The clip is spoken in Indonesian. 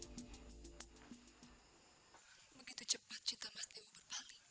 begitu cepat cita mas dewa berpaling